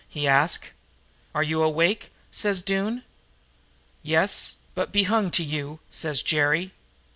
he asked. "'Are you awake?' says Doone. "'Yes, but be hung to you!' says Jerry.